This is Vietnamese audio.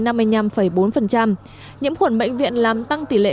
nhiễm khuẩn bệnh viện làm tăng tỷ lệ